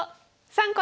３個。